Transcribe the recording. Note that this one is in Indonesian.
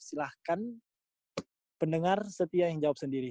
silahkan pendengar setia yang jawab sendiri